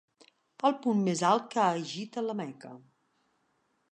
El punt més alt que agita la Meca.